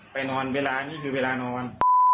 ไปนอนเวลานี่คือเวลานอน